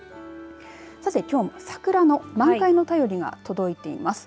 さて、きょうも桜の満開の便りが届いています。